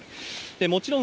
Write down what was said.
もちろん